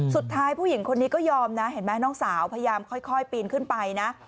ผู้หญิงคนนี้ก็ยอมนะเห็นไหมน้องสาวพยายามค่อยปีนขึ้นไปนะ